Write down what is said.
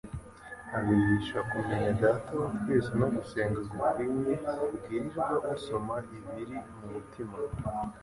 Abigisha kumenya Data wa twese no gusenga gukwinye kugirirwa usoma ibiri mu mutima.